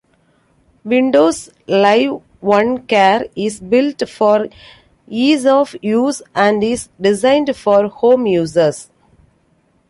Windows Live OneCare is built for ease-of-use and is designed for home users.